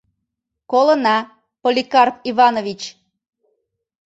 Колына, Поликарп Иванович!